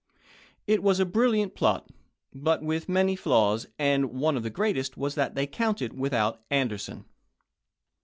It was a brilliant plot, but with many flaws ; and one of the greatest was that they counted without Anderson.